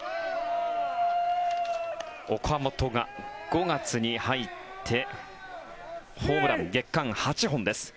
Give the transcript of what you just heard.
岡本が５月に入ってホームラン月間８本です。